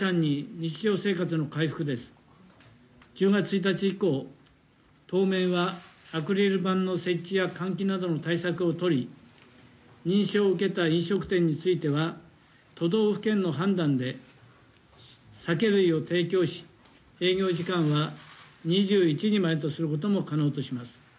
１０月１日以降、当面はアクリル板の設置や換気などの対策を取り、認証を受けた飲食店については、都道府県の判断で酒類を提供し、営業時間が２１時までとすることも可能とします。